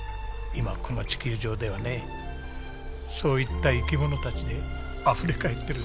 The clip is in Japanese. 今この地球上ではねそういった生き物たちであふれ返っているんですよ。